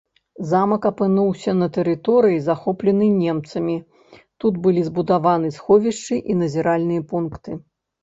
Замак апынуўся на тэрыторыі, захопленай немцамі, тут былі збудаваны сховішчы і назіральныя пункты.